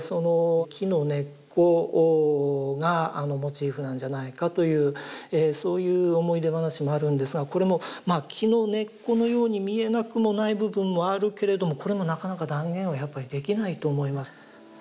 木の根っこがモチーフなんじゃないかというそういう思い出話もあるんですがこれも木の根っこのように見えなくもない部分もあるけれどもこれもなかなか断言はやっぱりできないと思います。